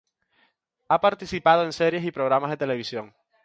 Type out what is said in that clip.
Ha participado en series y programas de televisión.